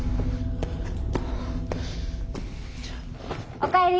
お帰り。